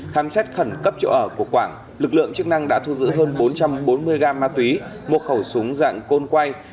khám xét khẩn cấp chỗ ở của quảng lực lượng chức năng đã thu giữ hơn bốn trăm bốn mươi gram ma túy một khẩu súng dạng côn quay